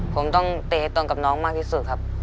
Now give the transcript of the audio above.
ผมต้องเตะให้ตนกับน้องมากที่สุดครับ